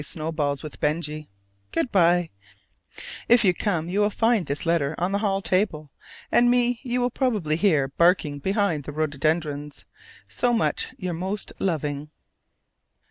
I am going down to play snowballs with Benjy. Good by. If you come you will find this letter on the hall table, and me you will probably hear barking behind the rhododendrons. So much your most loving.